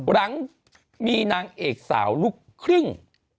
หลังมีนางเอกสาวลูกครึ่ง